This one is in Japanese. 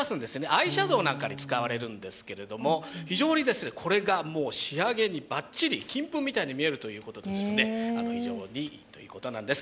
アイシャドウなどに使われるんですけど、非常にこれが仕上げにバッチリ、金粉みたいに見えるということで非常にいいということなんです。